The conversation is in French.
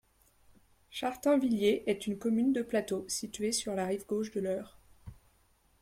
Chartainvilliers est une commune de plateau située sur la rive gauche de l’Eure.